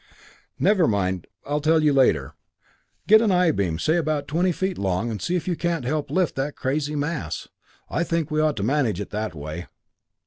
"Never mind. I'll tell you later. Get an I beam, say about twenty feet long, and see if you can't help lift that crazy mass. I think we ought to manage it that way."